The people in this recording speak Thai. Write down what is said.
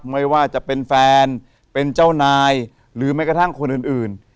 ไม่ว่าจะเป็นแฟนเป็นเจ้านายหรือแม้กระทั่งคนอื่น